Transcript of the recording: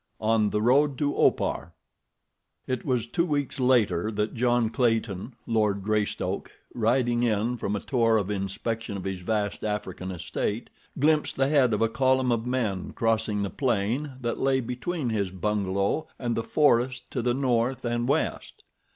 On the Road To Opar It was two weeks later that John Clayton, Lord Greystoke, riding in from a tour of inspection of his vast African estate, glimpsed the head of a column of men crossing the plain that lay between his bungalow and the forest to the north and west.